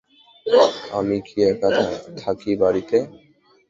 আমি কি একা থাকি বাড়িতে?